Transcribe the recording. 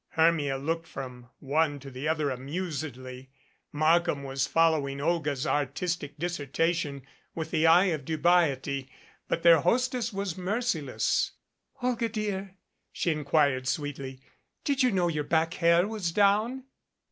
Hermia looked from one to the other amusedly. Markham was following Olga's artistic dissertation with the eye of dubiety, but their hostess was merciless. "Olga, dear," she inquired sweetly, "did you know your back hair was down?"